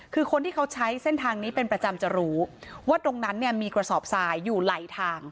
คือคนที่เขาใช้เส้นทางนี้เป็นประจำจะรู้ว่าตรงนั้นเนี่ยมีกระสอบทรายอยู่ไหลทาง